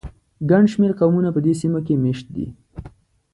ګڼ شمېر قومونه په دې سیمه کې مېشت دي.